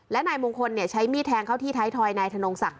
และนายมงคลใช้มีดแทงเข้าที่ท้ายทอยนายธนงศักดิ